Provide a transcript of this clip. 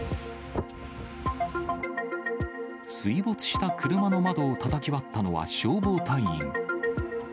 水没した車の窓をたたき割ったのは消防隊員。